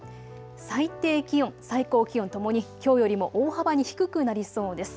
最低気温、最高気温ともにきょうよりも大幅に低くなりそうです。